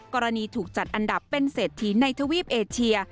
กรณีถูกจัดอันดับเป็นเศรษฐีในทวีปเอเชีย